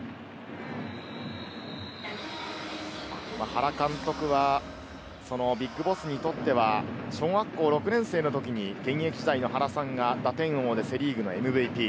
原監督は、ＢＩＧＢＯＳＳにとっては小学校６年生のときに現役時代の原さんが打点王でセ・リーグのＭＶＰ。